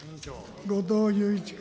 後藤祐一君。